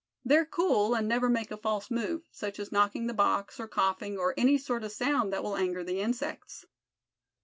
They're cool, and never make a false move, such as knocking the box, or coughing, or any sort of sound that will anger the insects."